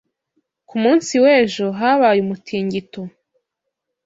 Ku munsi w'ejo habaye umutingito.